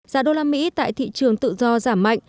giá đô la mỹ tại thị trường tự do giảm mạnh